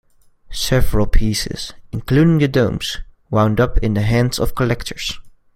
Several pieces, including the domes, wound up in the hands of collectors.